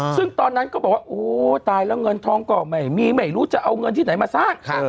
ซึ่งตอนนั้นก็บอกว่าโอ้ตายแล้วเงินทองก็ไม่มีไม่รู้จะเอาเงินที่ไหนมาสร้าง